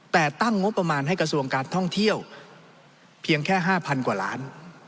แต่ตั้งงบประมาณให้กระทรวงการท่องเที่ยวเพียงแค่๕๐๐กว่าล้าน